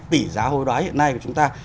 tỷ giá hôi đoái hiện nay của chúng ta